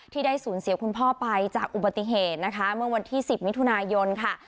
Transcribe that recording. ที่ได้สูญเสียคุณพ่อไปจากอุบัติเหตุนะคะเมื่อวันที่๑๐มิถุนายนค่ะ